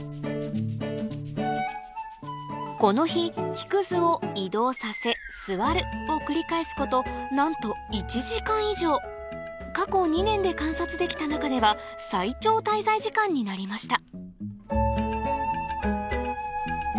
この日木くずを移動させ座るを繰り返すことなんと１時間以上過去２年で観察できた中では最長滞在時間になりました